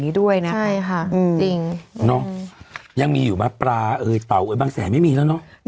เนาะยังมีอยู่มาปลาเอ่ยเตาเอ่ยบางแสนไม่มีแล้วเนาะ